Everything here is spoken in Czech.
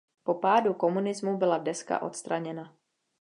Po pádu komunismu byla deska odstraněna.